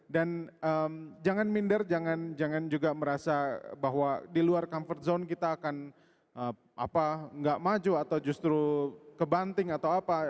dan jangan minder jangan juga merasa bahwa di luar comfort zone kita akan apa gak maju atau justru kebanting atau apa